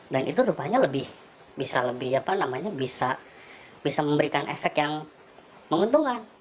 dan itu rupanya bisa lebih bisa memberikan efek yang menguntungkan